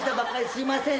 すいません。